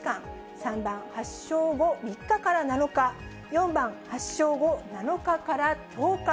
３番、発症後３日から７日、４番、発症後７日から１０日。